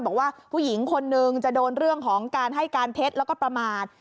บอกว่าผู้หญิงคนนึงจะโดนเรื่องของการให้การเท็จแล้วก็ประมาท